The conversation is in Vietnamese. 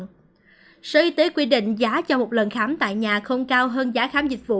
sở y tế quy định giá cho một lần khám tại nhà không cao hơn giá khám dịch vụ